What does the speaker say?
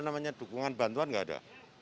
namanya dukungan bantuan tidak ada